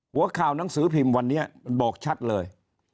หัวข่าวหนังสือพิมพ์วันนี้บอกชัดเลย